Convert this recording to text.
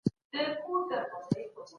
ما پرون په خپله پروژه کي نوی کوډ اضافه کړ.